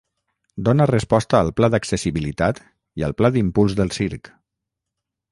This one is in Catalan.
Dona resposta al Pla d'accessibilitat i al Pla d'Impuls del Circ.